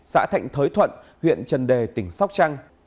xã thạnh thới thuận huyện trần đề tỉnh sóc trăng